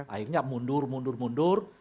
akhirnya mundur mundur mundur